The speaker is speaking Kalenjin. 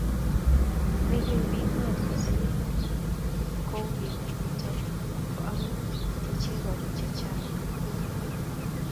Meiweipik maat kasari kou kenym nitok ko amu kitechee korik chechang' ng'ung'unyek